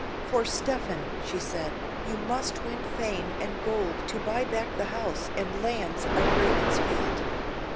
"For, Stephen," she said, "you must win fame and gold to buy back the house and lands of Ravensfield."